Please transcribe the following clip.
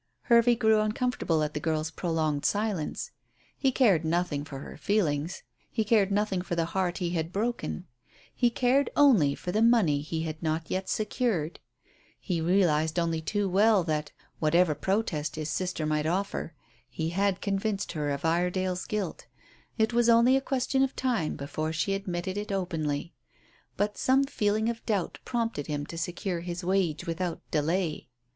Hervey grew uncomfortable at the girl's prolonged silence. He cared nothing for her feelings; he cared nothing for the heart he had broken. He cared only for the money he had not yet secured. He realized only too well that, whatever protest his sister might offer, he had convinced her of Iredale's guilt; it was only a question of time before she admitted it openly. But some feeling of doubt prompted him to secure his wage without delay.